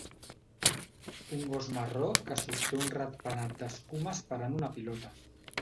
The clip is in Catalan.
Un gos marró que sosté un ratpenat d'escuma esperant una pilota.